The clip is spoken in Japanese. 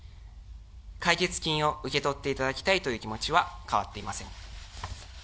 解決金を受け取っていただきたいという気持ちは変わっていません。